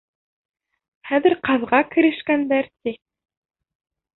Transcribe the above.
Хәҙер ҡаҙға керешкәндәр, ти...